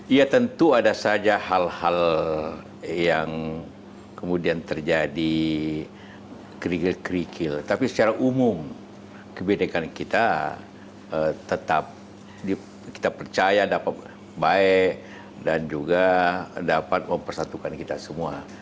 ya tentu ada saja hal hal yang kemudian terjadi kerikil kerikil tapi secara umum kebenekaan kita tetap kita percaya dapat baik dan juga dapat mempersatukan kita semua